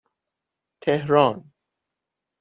تهران